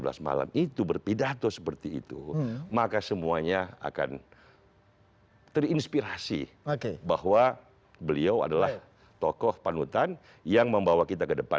kalau pak prabowo tanggal tujuh belas malam itu berpidato seperti itu maka semuanya akan terinspirasi bahwa beliau adalah tokoh panutan yang membawa kita ke depan